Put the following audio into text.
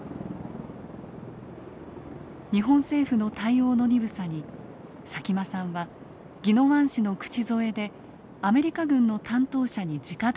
日本政府の対応の鈍さに佐喜眞さんは宜野湾市の口添えでアメリカ軍の担当者にじか談判。